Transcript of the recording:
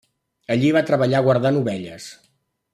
Allí va treballar guardant ovelles.